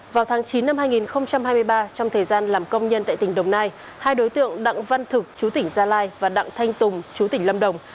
vào tháng chín năm hai nghìn hai mươi ba trong thời gian làm công nhân tại tỉnh đồng nai hai đối tượng đặng văn thực chú tỉnh gia lai và đặng thanh tùng chú tỉnh lâm đồng